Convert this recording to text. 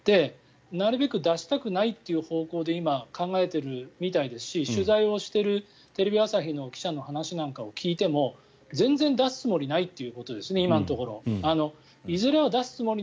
なるべく出したくないという方向で今、考えているみたいですし取材をしているテレビ朝日の記者の話なんかを聞いても全然出すつもりないということですね。